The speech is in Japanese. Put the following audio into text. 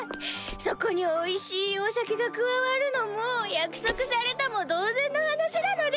そこにおいしいお酒が加わるのも約束されたも同然の話なのです！